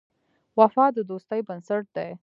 وفا د دوستۍ بنسټ دی.